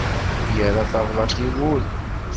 Irra tablaḍt i wul.